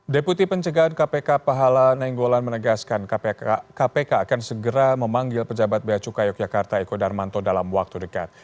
deputi pencegahan kpk pahala nainggolan menegaskan kpk akan segera memanggil pejabat beacuka yogyakarta eko darmanto dalam waktu dekat